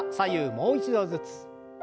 もう一度ずつ。